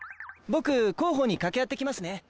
僕広報に掛け合ってきますね。